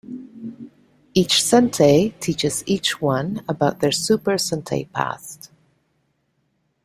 Each sentai teaches each one about their Super Sentai past.